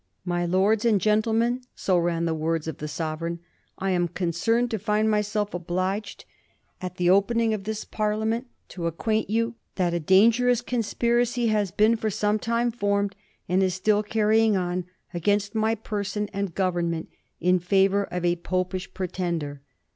* My Lords and Gentlemen,' so ran the words of the Sovereign, *I am concerned to find myself obliged, at the opening of this Parliament, to ac quaint you that a dangerous conspiracy has been for some tune formed, and is still carrying on, against my person and government, in fistvour of a Popish predender.'